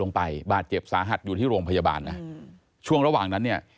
บาดเจ็บสาหัสอยู่ที่โรงพยาบาลนะช่วงระหว่างนั้นเนี่ย